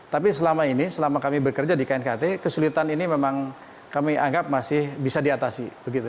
tapi selama ini selama kami bekerja di knkt kesulitan ini memang kami anggap masih bisa diatasi